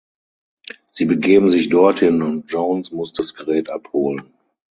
Sie begeben sich dorthin und Jones muss das Gerät abholen.